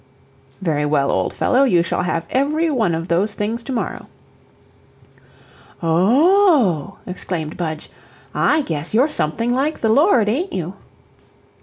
"Very well, old fellow you shall have every one of those things tomorrow." "Oh h h h h!" exclaimed Budge, "I guess you're something like the Lord, ain't you?"